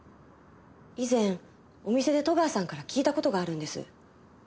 以前お店で戸川さんから聞いた事があるんです。